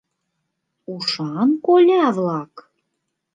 Ушан коля-влак?